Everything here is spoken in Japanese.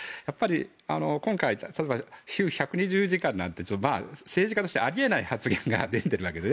今回、週１２０時間なんて政治家としてはあり得ない発言が出てるわけですね。